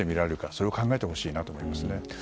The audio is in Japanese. それを考えてほしいなと思います。